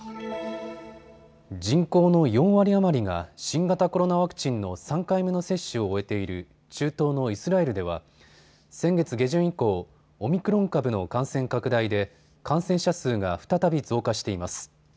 人口の４割余りが新型コロナワクチンの３回目の接種を終えている中東のイスラエルでは先月下旬以降、オミクロン株の感染拡大で感染者数が再び増加しています。